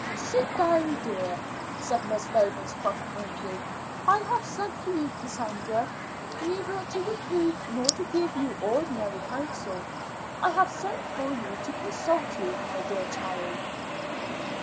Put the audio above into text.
"Sit down, dear," said Miss Ravenscroft kindly. "I have sent for you, Cassandra, neither to reprove nor to give you ordinary counsel. I have sent for you to consult you, my dear child."